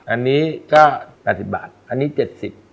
อันนี้ก็๘๐บาทอันนี้๗๐บาท